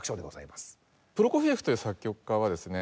プロコフィエフという作曲家はですね